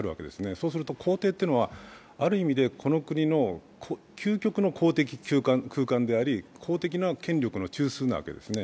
そうすると公邸っていうのはある意味で究極の公的空間であり、公的な権力の中枢なわけですね。